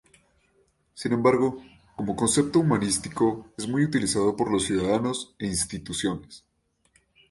Sin embargo, como concepto humanístico es muy utilizado por los ciudadanos e instituciones.